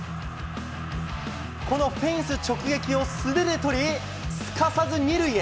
このフェンス直撃を素手で捕り、すかさず２塁へ。